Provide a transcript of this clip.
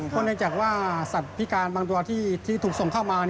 คนลึกจากว่าสัตว์พิการบางตัวที่ถูกส่งเข้ามา